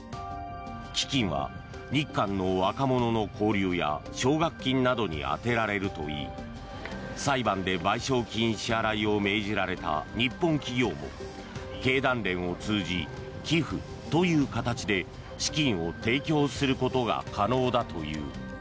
基金は日韓の若者の交流や奨学金などに充てられるといい裁判で賠償金支払いを命じられた日本企業も経団連を通じ、寄付という形で資金を提供することが可能だという。